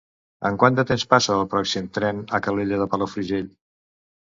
En quant de temps passa el pròxim tren a Calella de Palafrugell?